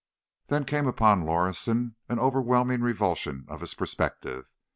Then there came upon Lorison an overwhelming revulsion of his perspective.